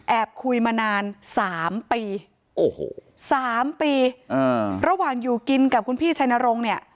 แอบคุยมานานสามปีสามปีระหว่างอยู่กินกับคุณพี่ชายนรงค์